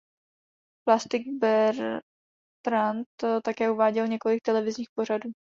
Plastic Bertrand také uváděl několik televizních pořadů.